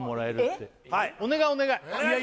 お願いお願い